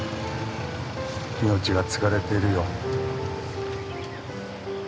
命が継がれてるよ。